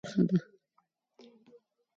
بادي انرژي د افغانستان د صادراتو برخه ده.